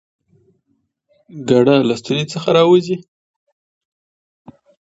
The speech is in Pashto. ګړه له ستوني څخه راوزي؟